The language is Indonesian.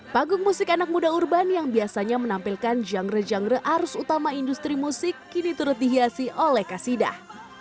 panggung musik anak muda urban yang biasanya menampilkan genre genre arus utama industri musik kini turut dihiasi oleh kasidah